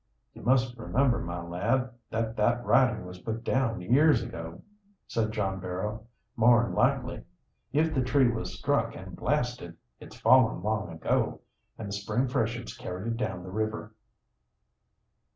"You must remember, my lad, that that writin' was put down years ago," said John Barrow. "More'n likely if the tree was struck an' blasted, it's fallen long ago, and the spring freshets carried it down the river."